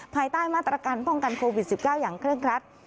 ภายใต้มาตรการป้องกันโควิด๑๙อย่างเคร่งครัด